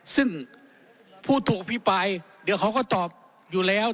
ซึ่งผู้ถูกอภิปรายเดี๋ยวเขาก็ตอบอยู่แล้ว